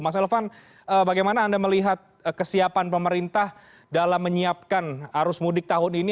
mas elvan bagaimana anda melihat kesiapan pemerintah dalam menyiapkan arus mudik tahun ini